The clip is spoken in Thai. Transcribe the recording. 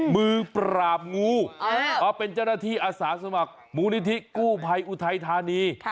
มือปราบงูมาเป็นเจ้าหน้าที่อาสาสมัครมูลนิธิกู้ภัยอุทัยธานี